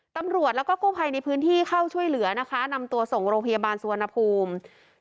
ตำรวจแล้วก็กู้ภัยในพื้นที่เข้าช่วยเหลือนะคะนำตัวส่งโรงพยาบาลสุวรรณภูมิ